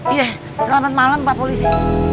iya selamat malam pak polisi